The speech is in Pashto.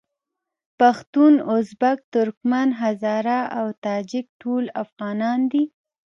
پښتون، ازبک، ترکمن، هزاره او تاجک ټول افغانان دي.